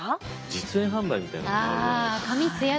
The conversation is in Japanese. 実演販売みたいなものあるじゃないですか。